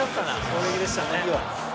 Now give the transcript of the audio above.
衝撃でしたね。